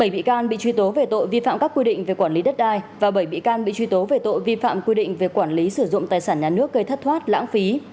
bảy bị can bị truy tố về tội vi phạm các quy định về quản lý đất đai và bảy bị can bị truy tố về tội vi phạm quy định về quản lý sử dụng tài sản nhà nước gây thất thoát lãng phí